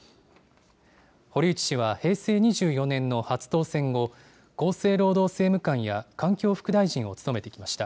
堀内氏は平成２４年の初当選後、厚生労働政務官や環境副大臣を務めてきました。